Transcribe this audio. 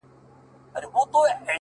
ټولو پردی کړمه؛ محروم يې له هيواده کړمه’